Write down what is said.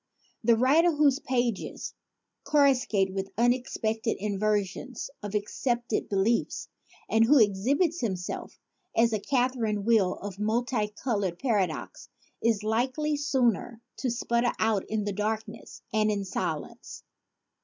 The writer whose pages corruscate with unexpected inversions of ac cepted beliefs and who exhibits himself as a catherine wheel of multicolored paradox is likely soon to sputter out in darkness and in silence.